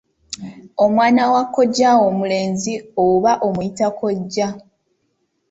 Omwana wa kojjaawo omulenzi oba omuyita kkojja.